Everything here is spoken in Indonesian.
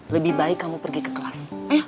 lebih baik kamu pergi ke kelas